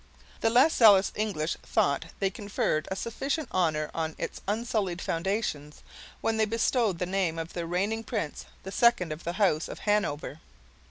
The less zealous English thought they conferred a sufficient honor on its unsullied fountains, when they bestowed the name of their reigning prince, the second of the house of Hanover.